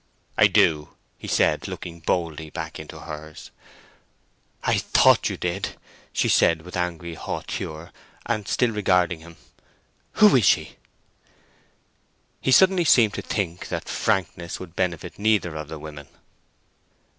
"I do," he said, looking boldly back into hers. "I thought you did," said she, with angry hauteur, and still regarding him. "Who is she?" He suddenly seemed to think that frankness would benefit neither of the women.